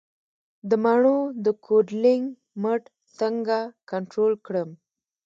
د مڼو د کوډلینګ مټ څنګه کنټرول کړم؟